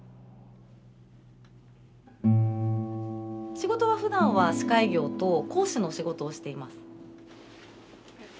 仕事はふだんは司会業と講師の仕事をしています。